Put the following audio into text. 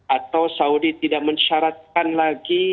atau saudi tidak mensyaratkan lagi